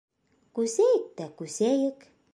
Күсәйек тә күсәйек!